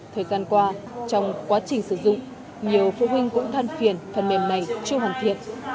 thời gian qua trong quá trình sử dụng nhiều phụ huynh cũng thân phiền phần mềm này chưa hoàn thiện